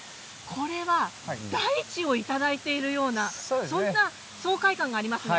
これは大地をいただいているようなそんな爽快感がありますね。